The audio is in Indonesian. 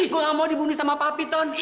gue gak mau dibunuh sama papi tony